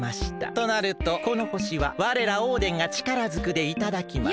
となるとこのほしはわれらオーデンがちからずくでいただきます。